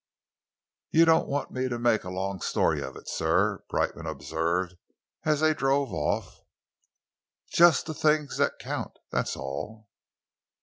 "You don't want me to make a long story of it, sir," Brightman observed, as they drove off. "Just the things that count, that's all."